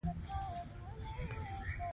هغه د خپل هدف لپاره دوام ورکوي.